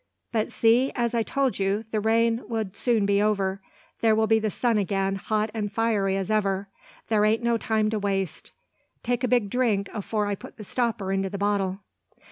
But see! as I told you, the rain would soon be over. There be the sun again, hot an' fiery as ever. There ain't no time to waste. Take a big drink, afore I put the stopper into the bottle."